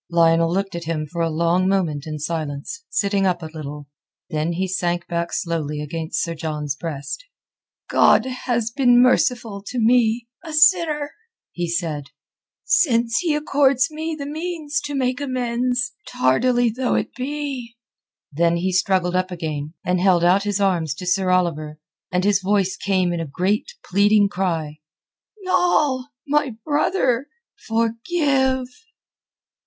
Lionel looked at him for a long moment in silence, sitting up a little. Then he sank back again slowly against Sir John's breast. "God has been merciful to me a sinner," he said, "since He accords me the means to make amends, tardily though it be." Then he struggled up again, and held out his arms to Sir Oliver, and his voice came in a great pleading cry. "Noll! My brother! Forgive!"